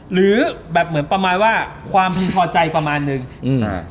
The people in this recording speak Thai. หรือแบบเหมือนประมาณว่าความพึงพอใจประมาณหนึ่งอืมอ่า